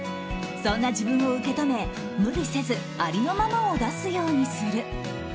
そんな自分を受け止め無理せずありのままを出すようにする。